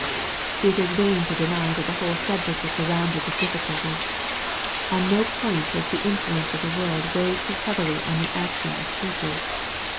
It is vain to deny that the whole subject is surrounded with difficulties. On no point has the influence of the world weighed so heavily on the action of Churches.